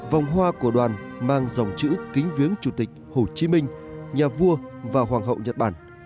vòng hoa của đoàn mang dòng chữ kính viếng chủ tịch hồ chí minh nhà vua và hoàng hậu nhật bản